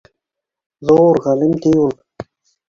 Ҙур ғалим, ти, ул